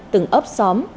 từng ấp xóm